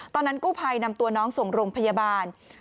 ตอนนั้นกู้ภัยนำตัวน้องส่งโรงพยาบาล